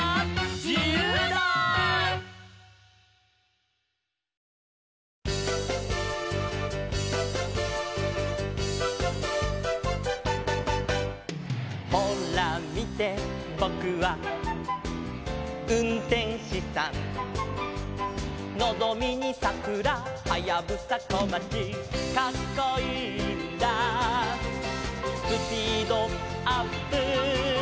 「じゆうだー！」「ほらみてボクはうんてんしさん」「のぞみにさくらはやぶさこまち」「カッコいいんだスピードアップ」